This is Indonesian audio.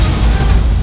jangan keterlaluan bu